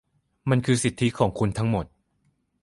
มันคือสิทธิของคุณทั้งหมด